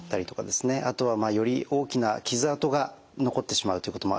あとはより大きな傷痕が残ってしまうということもあります。